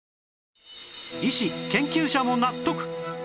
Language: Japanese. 医師・研究者も納得！